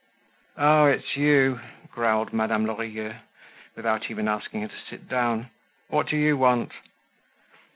"Ah! it's you," growled Madame Lorilleux, without even asking her to sit down. "What do you want?"